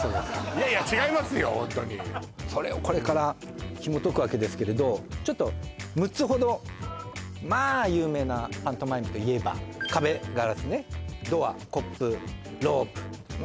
ホントにそれをこれからひもとくわけですけれどちょっと６つほどまあ有名なパントマイムといえば壁・ガラスねドアコップロープま